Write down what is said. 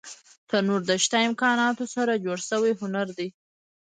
تنور د شته امکاناتو سره جوړ شوی هنر دی